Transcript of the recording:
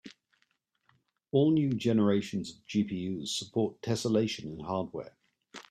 All new generations of GPUs support tesselation in hardware.